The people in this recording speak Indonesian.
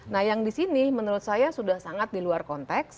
nah yang di sini menurut saya sudah sangat di luar konteks